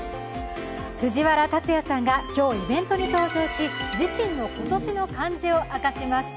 藤原竜也さんが今日、イベントに登場し自身の今年の感じを明かしました。